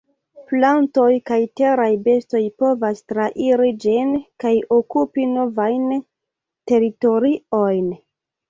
Plantoj kaj teraj bestoj povas trairi ĝin kaj okupi novajn teritoriojn.